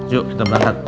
yuk kita berangkat